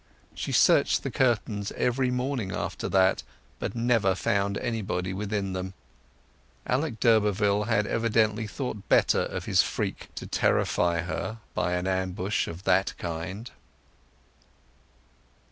She searched the curtains every morning after that, but never found anybody within them. Alec d'Urberville had evidently thought better of his freak to terrify her by an ambush of that kind.